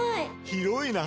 広いな！